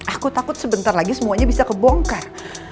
aku takut sebentar lagi semuanya bisa kebongkar